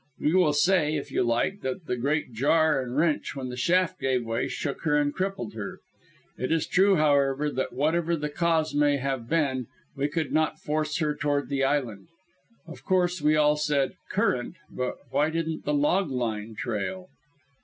We will say, if you like, that that great jar and wrench when the shaft gave way shook her and crippled her. It is true, however, that whatever the cause may have been, we could not force her toward the island. Of course, we all said "current"; but why didn't the log line trail?